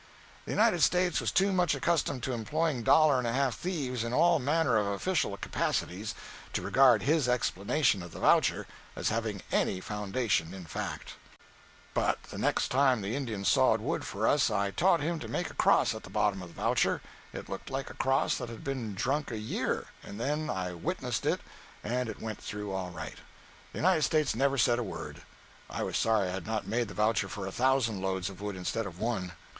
The United States was too much accustomed to employing dollar and a half thieves in all manner of official capacities to regard his explanation of the voucher as having any foundation in fact. 190.jpg (22K) But the next time the Indian sawed wood for us I taught him to make a cross at the bottom of the voucher—it looked like a cross that had been drunk a year—and then I "witnessed" it and it went through all right. The United States never said a word. I was sorry I had not made the voucher for a thousand loads of wood instead of one.